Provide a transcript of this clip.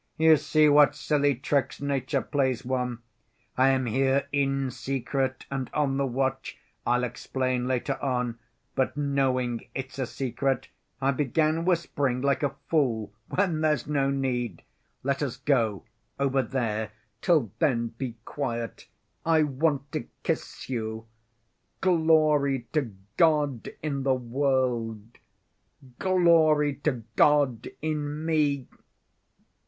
"You see what silly tricks nature plays one. I am here in secret, and on the watch. I'll explain later on, but, knowing it's a secret, I began whispering like a fool, when there's no need. Let us go. Over there. Till then be quiet. I want to kiss you. Glory to God in the world, Glory to God in me